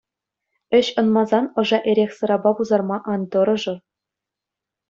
Ӗҫ ӑнмасан ӑша эрех-сӑрапа пусарма ан тӑрӑшӑр.